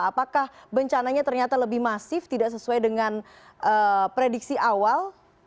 apakah bencananya ternyata lebih masif tidak sesuai dengan prediksi awal